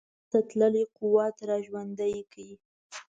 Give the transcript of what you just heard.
له لاسه تللی قوت را ژوندی کړي.